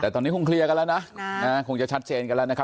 แต่ตอนนี้คงเคลียร์กันแล้วนะคงจะชัดเจนกันแล้วนะครับ